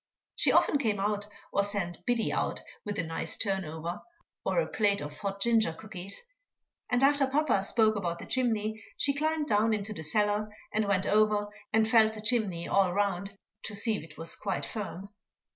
She often came out, or sent Biddy out with a nice turn over, or a plate of hot ginger cookies; and after papa spoke about the chimney, she climbed down into the cellar, and went over and felt the chimney all round to see if it was quite firm.